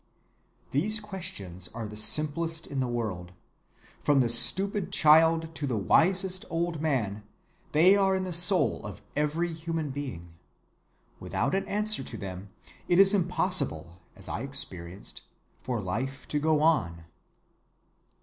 "These questions are the simplest in the world. From the stupid child to the wisest old man, they are in the soul of every human being. Without an answer to them, it is impossible, as I experienced, for life to go on.